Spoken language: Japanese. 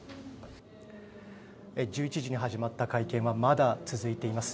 １１時に始まった会見はまだ続いています。